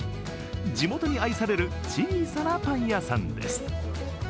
地元に愛される小さなパン屋さんです。